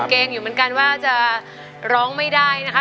เกรงอยู่เหมือนกันว่าจะร้องไม่ได้นะคะ